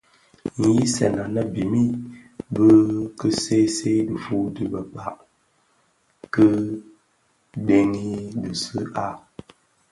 Nghisèn anèn bimid bi ki see see dhifuu di bekpag kè dhëňi bisi a.